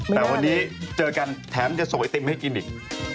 แต่วันนี้เจอกันแถมจะส่งไอติมให้กินอีก